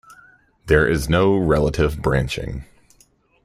There is no relative branching.